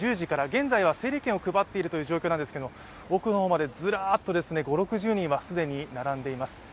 現在は整理券を配っているという状況なんですけど奥の方まで、ずらーっと５０６０人は既に並んでいます。